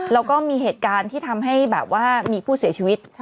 แล้วก็มีเหตุการณ์ที่ทำให้แบบว่ามีผู้เสียชีวิต